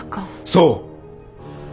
そう！